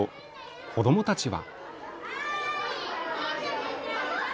子どもたちは。